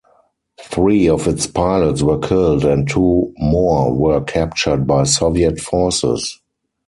Three of its pilots were killed and two more were captured by Soviet forces.